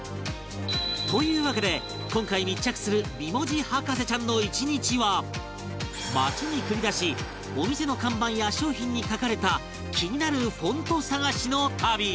というわけで今回密着する街に繰り出しお店の看板や商品に書かれた気になるフォント探しの旅